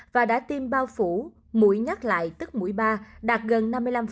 và đã tiêm bao phủ mũi nhắc lại tức mũi ba đạt gần năm mươi năm